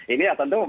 ini ya tentu